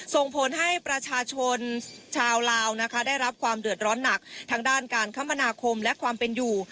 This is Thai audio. ส่งผลให้ประชาชนชาวลาวนะคะได้รับความเดือดร้อนหนักทางด้านการคมนาคมและความเป็นอยู่